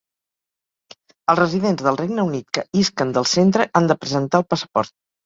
Els residents del Regne Unit que isquen del centre han de presentar el passaport.